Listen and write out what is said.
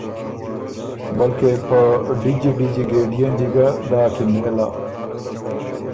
بلکې په ډِجي ډِجي ګېډيې ن دی ګۀ داکِن نېله۔